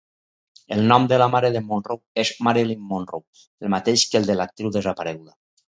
El nom de la mare de Monroe és Marilyn Monroe, el mateix que el de l'actriu desapareguda.